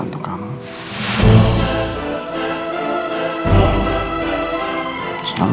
kamu harus percaya